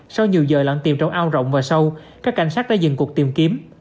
sau nhiều giờ lặn tìm trong ao rộng và sâu các cảnh sát đã dừng cuộc tìm kiếm